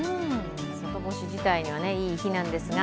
外干し自体はいい日なんですが。